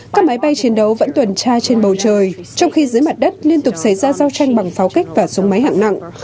các máy bay chiến đấu vẫn tuần tra trên bầu trời trong khi dưới mặt đất liên tục xảy ra giao tranh bằng pháo kích và súng máy hạng nặng